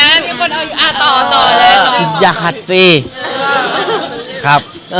เอาล่ะค่ะค่ะ